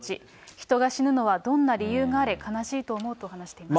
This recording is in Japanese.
人が死ぬのはどんな理由があれ悲しいと思うと話しています。